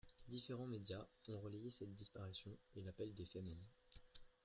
Différents médias ont relayé cette disparition et l'appel des Femen.